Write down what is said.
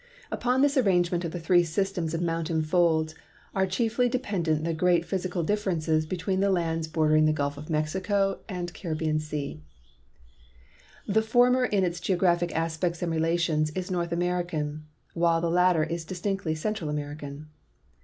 Upon this arrangement of the three systems of mountain folds are chiefly dei^endent the great physical ditlenaices l)ctween 180 GEOGRAPHIC RELATION OF THE THREE AMERICAS the lands bordering the gulf of Mexico and Caribbean sea ; the former in its geognostic aspects and relations is North American, while the latter is distinctly Central American.